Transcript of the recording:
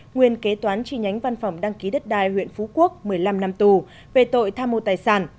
nguyên kế toán chi nhánh văn phòng đăng ký đất đai huyện phú quốc một mươi năm năm tù về tội tham mô tài sản